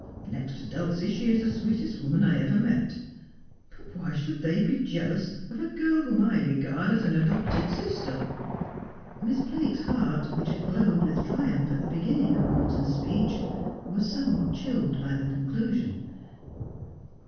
Next to Duicie she is the sweetest woman I ever met. But why should they be jealous of a girl whom I regard as an adopted sister ?' Miss Blake's heart, which had glowed with triumph at the beginning of Morton's speech, was somewhat chilled by the conclusion.